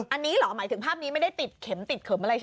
อันนี้เหรอหมายถึงภาพนี้ไม่ได้ติดเข็มติดเข็มอะไรใช่ไหม